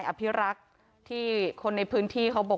ความปลอดภัยของนายอภิรักษ์และครอบครัวด้วยซ้ำ